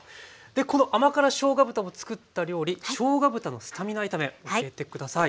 この甘辛しょうが豚をつくった料理しょうが豚のスタミナ炒め教えて下さい。